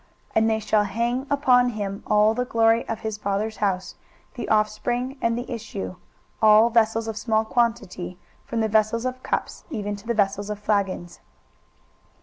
23:022:024 And they shall hang upon him all the glory of his father's house, the offspring and the issue, all vessels of small quantity, from the vessels of cups, even to all the vessels of flagons.